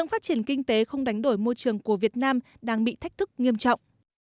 vấn đề không đánh đổi môi trường của việt nam đang bị thách thức nghiêm trọng